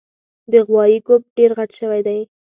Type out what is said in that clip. د غوایي ګوپ ډېر غټ شوی دی